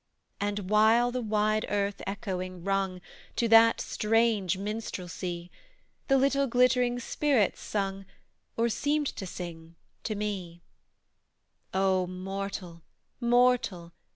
And, while the wide earth echoing rung To that strange minstrelsy The little glittering spirits sung, Or seemed to sing, to me: "O mortal! mortal!